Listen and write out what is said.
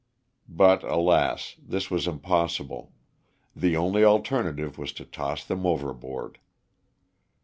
But, alas! this was impossible, the only alternative was to toss them over board.